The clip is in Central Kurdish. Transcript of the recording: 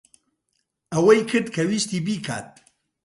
ئەوەی کرد کە ویستی بیکات.